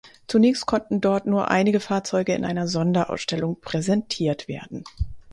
Zunächst konnten dort nur einige Fahrzeuge in einer Sonderausstellung präsentiert werden.